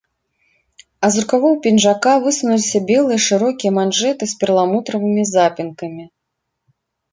А з рукавоў пінжака высунуліся белыя шырокія манжэты з перламутравымі запінкамі.